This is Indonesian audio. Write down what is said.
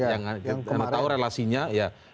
yang tahu relasinya ya